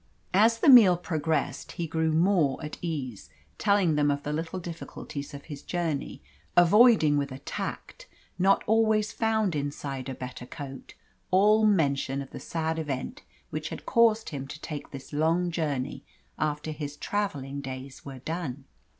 As the meal progressed he grew more at ease, telling them of the little difficulties of his journey, avoiding with a tact not always found inside a better coat all mention of the sad event which had caused him to take this long journey after his travelling days were done.